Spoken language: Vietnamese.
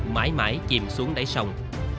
mãi mãi chìm xuống đáy sông